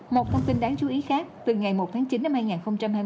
một thông tin đáng chú ý khác từ ngày một tháng chín đến hai nghìn hai mươi một